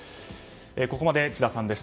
ここまで智田さんでした。